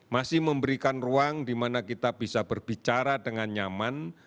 masih memberikan ruang di mana kita bisa berbicara dengan nyaman